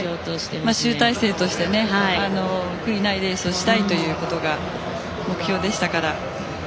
集大成として悔いのないレースをしたいのが目標でした。